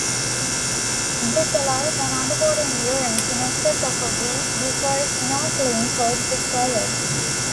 This allowed an underwater endurance in excess of a week before snorkeling was required.